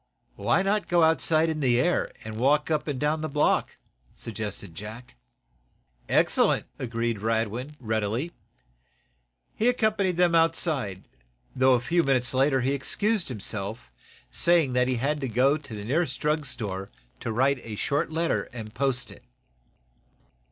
"Why not go outside in the air, and walk up and down the block?" suggested Jack. "Excellent!" agreed Radwin, readily. He accompanied them outside, though, a few moments later, he excused himself, saying that he had to go to the nearest drugstore to write a short letter and post it.